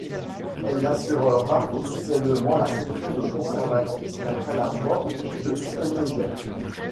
Elle n’assumera officiellement la fonction de conservatrice qu’après la mort de Stejneger.